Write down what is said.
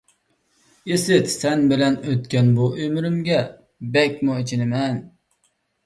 ئىسىت، سەن بىلەن ئۆتكەن بۇ ئۆمرۈمگە بەكمۇ ئېچىنىمەن...